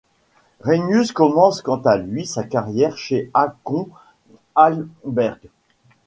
Renius commence quant à lui sa carrière chez Hakon Ahlberg.